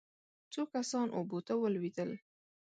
څو کسان اوبو ته ولوېدل.